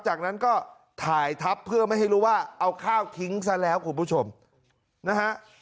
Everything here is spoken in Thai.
จากนั้นก็ถ่ายทับเพื่อไม่ให้รู้ว่าเอาข้าวทิ้งซะแล้วคุณผู้ชมนะฮะ